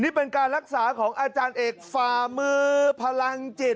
นี่เป็นการรักษาของอาจารย์เอกฝ่ามือพลังจิต